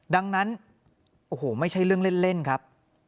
ดังนั้นโอ้โหไม่ใช่เรื่องเล่นครับ